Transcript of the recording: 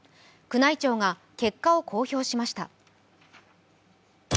宮内庁が結果を公表しました。